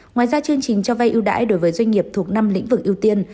ngoài ra chương trình cho vay ưu đãi đối với doanh nghiệp thuộc năm lĩnh vực ưu tiên